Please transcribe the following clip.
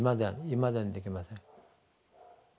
いまだにできません。